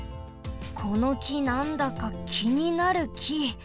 このきなんだかきになるき！